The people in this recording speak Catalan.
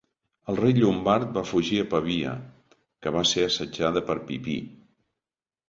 El rei llombard va fugir a Pavia, que va ser assetjada per Pipí.